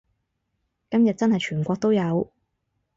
今日真係全國都有